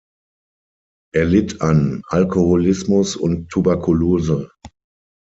Er litt an Alkoholismus und Tuberkulose.